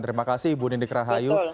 terima kasih ibu nindy krahayu